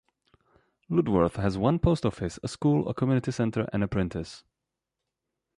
Ludworth has one post office, a school, a community centre and a printers.